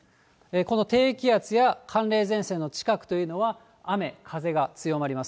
この低気圧や寒冷前線の近くというのは雨、風が強まります。